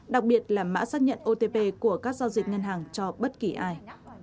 đặc biệt là mã xác nhận otp của các giao dịch ngân hàng cho bất kỳ ai